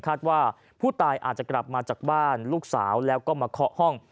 ว่าผู้ตายอาจจะกลับมาจากบ้านลูกสาวแล้วก็มาเคาะห้อง